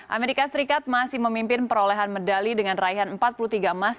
amerika serikat masih memimpin perolehan medali dengan raihan empat puluh tiga emas